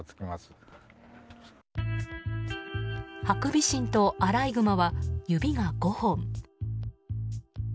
ハクビシンとアライグマは指が５本。